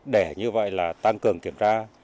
để như vậy là tăng cường kiểm tra